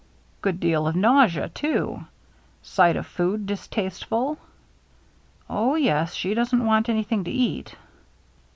'*" Good deal of nausea, too ? Sight of food distasteful ?" "Oh, yes, she doesn't want anything to eat."